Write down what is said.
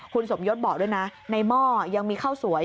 คุณสมยศบอกด้วยนะในหม้อยังมีข้าวสวย